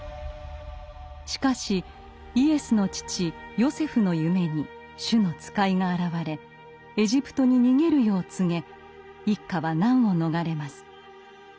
しかしイエスの父ヨセフの夢に主の使いが現れエジプトに逃げるよう告げ一家は難を逃れます。